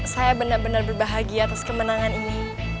saya benar benar berbahagia atas kemenangan ini